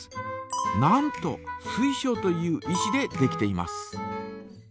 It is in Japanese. なんと水晶という石でできています。